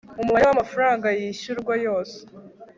umubare wamafaranga yishyurwa yose